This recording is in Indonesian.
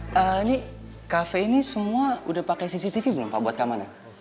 ini kafe ini semua udah pakai cctv belum pak buat kamarnya